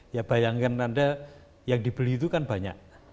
ya bayangkan anda yang dibeli itu kan banyak